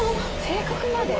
性格まで？